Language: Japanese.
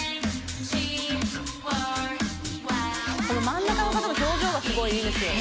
真ん中の方の表情がすごいいいんですよ。